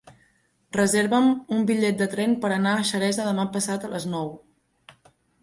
Reserva'm un bitllet de tren per anar a Xeresa demà passat a les nou.